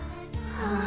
はあ。